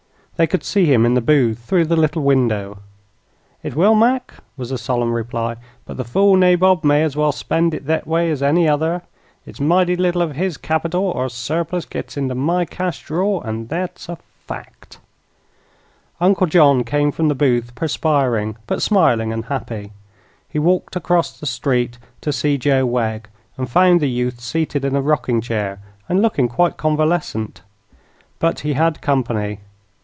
They could see him in the booth, through the little window. "It will, Mac," was the solemn reply. "But the fool nabob may as well spend it thet way as any other. It's mighty little of his capital er surplus gits inter my cash drawer; 'n' thet's a fact." Uncle John came from the booth, perspiring, but smiling and happy. He walked across the street to see Joe Wegg, and found the youth seated in a rocking chair and looking quite convalescent. But he had company.